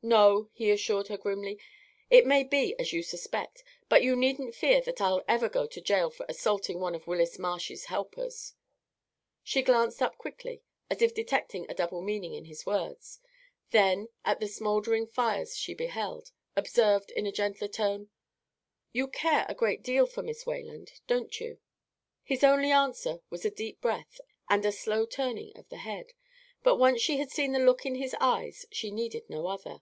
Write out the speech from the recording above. "No," he assured her, grimly. "It may be as you suspect, but you needn't fear that I'll ever go to jail for assaulting one of Willis Marsh's helpers." She glanced up quickly, as if detecting a double meaning in his words; then, at the smouldering fires she beheld, observed, in a gentler tone: "You care a great deal for Miss Wayland, don't you?" His only answer was a deep breath and a slow turning of the head, but once she had seen the look in his eyes she needed no other.